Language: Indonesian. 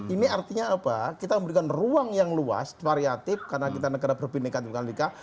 ini artinya apa kita memberikan ruang yang luas variatif karena kita negara berbineka tunggal ika